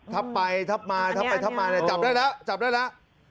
ทับไปทับมาทับไปทับมานะจำได้แล้วอันนี้อันนี้